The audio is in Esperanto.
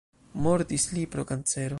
Mortis li pro kancero.